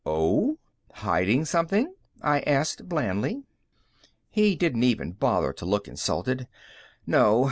"Oh? Hiding something?" I asked blandly. He didn't even bother to look insulted. "No.